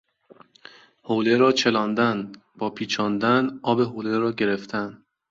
حوله را چلاندن، باپیچاندن آب حوله را گرفتن